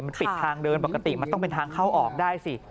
มันปิดทางเดินปกติมันต้องเป็นทางเข้าออกได้สิ